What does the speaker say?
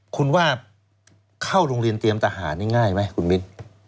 คุณว่าเข้าโรงเรียนเตรียมทหารนี่ง่ายไหมคุณมิ้น